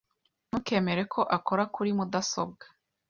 Ntukemere ko akora kuri mudasobwa .